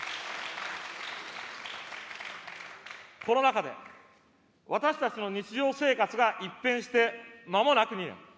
コロナ禍で、私たちの日常生活が一変してまもなく２年。